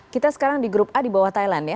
kita sekarang di grup a di bawah thailand ya